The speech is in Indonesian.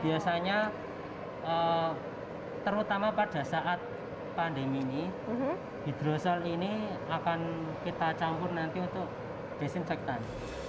biasanya terutama pada saat pandemi ini hidrosol ini akan kita campur nanti untuk desinfektan